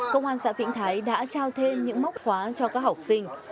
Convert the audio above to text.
công an xã vĩnh thái đã trao thêm những móc khóa cho các học sinh